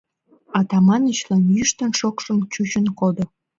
Атаманычлан йӱштын-шокшын чучын кодо.